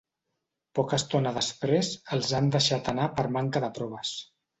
Poca estona després, els han deixat anar per manca de proves.